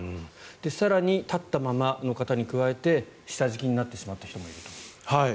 更に立ったままの方に加えて下敷きになってしまった方もいると。